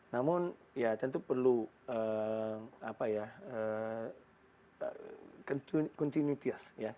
namun tentu perlu kontinuitas